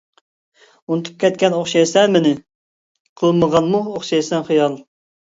ئۇنتۇپ كەتكەن ئوخشايسەن مېنى، قىلمىغانمۇ ئوخشايسەن خىيال.